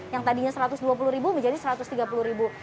yang tadinya satu ratus dua puluh ribu menjadi satu ratus tiga puluh ribu